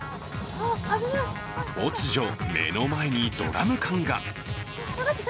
突如、目の前にドラム缶が。